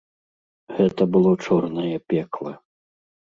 Гэта было чорнае пекла.